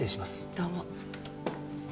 どうも。